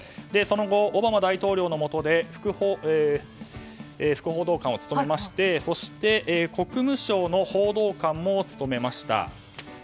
その後、オバマ大統領のもとで副報道官を務めましてそして、国務省の報道官も務めました。